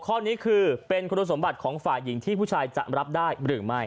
ข้อนี้คือเป็นคุณสมบัติของฝ่ายหญิงที่ผู้ชายจะรับได้หรือไม่